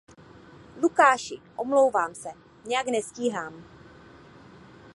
Lukáši, omlouvám se, nějak nestíhám.